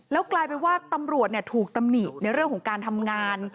แล้วกลายเป็นว่าตำรวจถูกตำหนิในเรื่องของการทำงาน